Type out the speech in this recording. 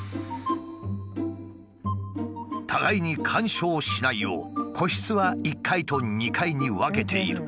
互いに干渉しないよう個室は１階と２階に分けている。